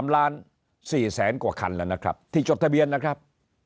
๓ล้าน๔แสนกว่าคันแล้วนะครับที่จดทะเบียนนะครับ